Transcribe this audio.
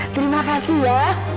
terima kasih ya